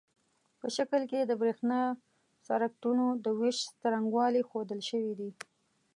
په شکل کې د برېښنا سرکټونو د وېش څرنګوالي ښودل شوي دي.